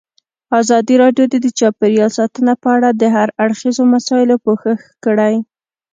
ازادي راډیو د چاپیریال ساتنه په اړه د هر اړخیزو مسایلو پوښښ کړی.